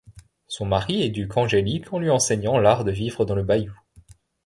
Son mari éduque Angélique en lui enseignant l'art de vivre dans le bayou.